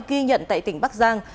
ghi nhận tại tỉnh bắc giang